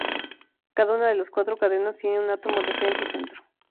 Cada una de las cuatro cadenas tiene un átomo de Fe en su centro.